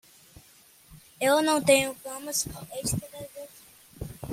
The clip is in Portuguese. Eu não tenho camas extras aqui.